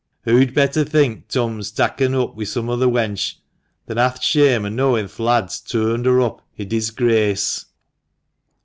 Hoo'd better think Turn's takken oop wi' some other wench, than ha' th' shame o' knowin' th' lad's toorned her up i' disgrace.